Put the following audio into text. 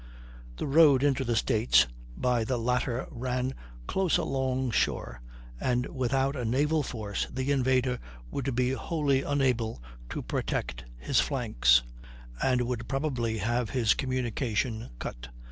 The road into the States by the latter ran close along shore, and without a naval force the invader would be wholly unable to protect his flanks, and would probably have his communications cut.